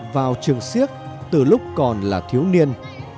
vào trường siếc từ lúc còn là thiếu niên